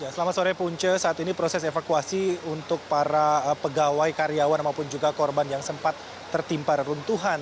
selamat sore punce saat ini proses evakuasi untuk para pegawai karyawan maupun juga korban yang sempat tertimpa reruntuhan